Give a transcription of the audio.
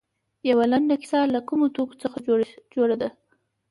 یوه لنډه کیسه له کومو توکو څخه جوړه ده.